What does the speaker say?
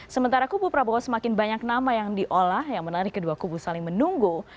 sementara kubu prabowo semakin banyak nama yang diolah yang menarik kedua kubu saling menunggu